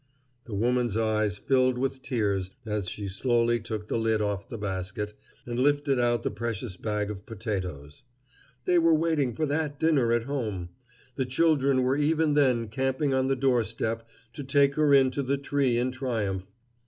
The woman's eyes filled with tears as she slowly took the lid off the basket and lifted out the precious bag of potatoes. They were waiting for that dinner at home. The children were even then camping on the door step to take her in to the tree in triumph.